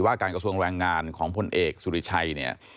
ว่าการกระสวงแรงงานของพเอกสุฤิชัย